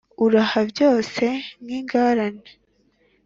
Urahamo byose nk'ingarane